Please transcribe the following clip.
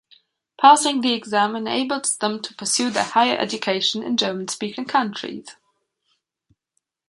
Passing the exam enables them to pursue their higher education in German speaking countries.